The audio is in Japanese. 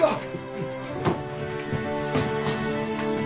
うん。